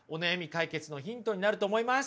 解決のヒントになると思います。